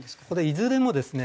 いずれもですね